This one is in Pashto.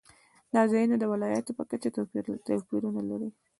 دا ځایونه د ولایاتو په کچه توپیرونه لري.